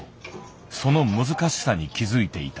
その難しさに気付いていた。